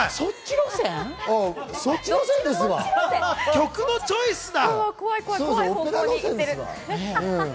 そっ曲のチョイスだ。